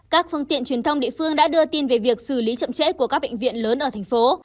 các phương tiện truyền thông địa phương đã đưa tin về việc xử lý chậm trễ của các bệnh viện lớn ở thành phố